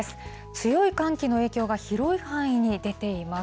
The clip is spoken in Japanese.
強い寒気の影響が広い範囲に出ています。